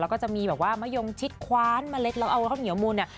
แล้วก็จะมีมะยงชิดคว้านมะเล็กเราเอาเขาเหงียวมูลเนี่ย